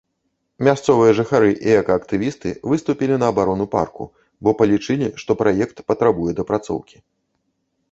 Мясцовыя жыхары і экаактывісты выступілі на абарону парку, бо палічылі, што праект патрабуе дапрацоўкі.